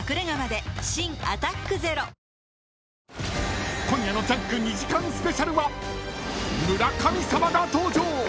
新「アタックＺＥＲＯ」［今夜の『ジャンク』２時間スペシャルは村神様が登場］